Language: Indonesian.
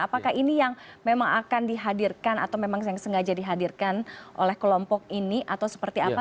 apakah ini yang memang akan dihadirkan atau memang yang sengaja dihadirkan oleh kelompok ini atau seperti apa